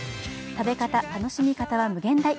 食べ方、楽しみ方は無限大。